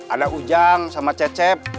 ada ujang sama cecep